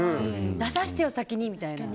出させてよ先にみたいな。